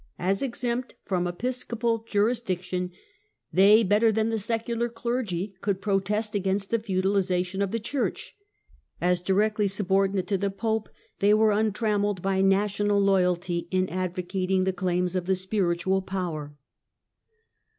As exempt from episcopal jurisdiction, they, better than the secular clergy, could protest against the feudalization of the Churcli. As directly subordinate to the Pope, they were untrammelled by national loyalty in advocating the claims of the spiritual power.